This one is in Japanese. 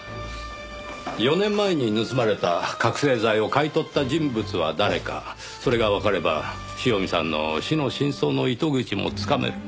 ４年前に盗まれた覚醒剤を買い取った人物は誰かそれがわかれば塩見さんの死の真相の糸口もつかめる。